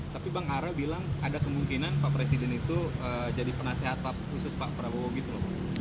tapi bang ara bilang ada kemungkinan pak presiden itu jadi penasehat khusus pak prabowo gitu loh